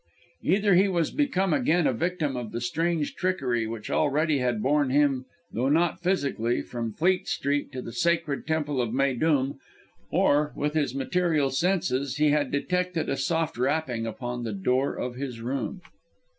Either he was become again a victim of the strange trickery which already had borne him, though not physically, from Fleet Street to the secret temple of Méydûm, or with his material senses he had detected a soft rapping upon the door of his room.